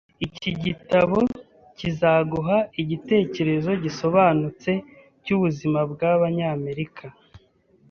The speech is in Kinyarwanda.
Iki gitabo kizaguha igitekerezo gisobanutse cyubuzima bwabanyamerika